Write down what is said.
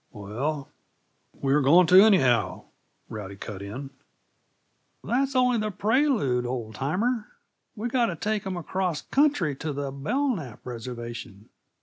"Well, we were going to, anyhow," Rowdy cut in. "But that's only the prelude, old timer. We've got t' take 'em across country to the Belknap reservation.